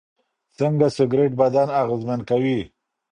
څنګه سګریټ بدن اغېزمن کوي؟